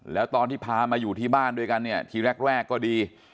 แล้วตอนที่พามาอยู่ที่บ้านด้วยกันเนี่ยทีแรกก็ดี